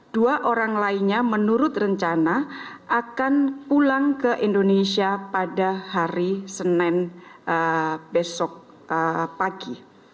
dua orang lainnya menurut rencana akan pulang ke indonesia pada hari senin besok pagi